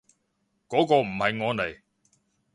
嗰個唔係我嚟